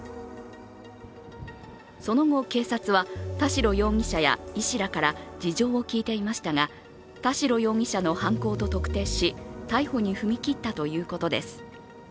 その後、警察は田代容疑者や医師らから事情を聴いていましたが、田代容疑者の犯行と特定し逮捕に踏み切ったということです。